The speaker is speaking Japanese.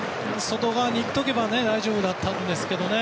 外側にいっておけば大丈夫だったんですけどね